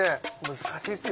難しいっすよ？